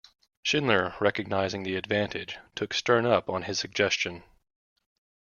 Schindler, recognising the advantage, took Stern up on his suggestion.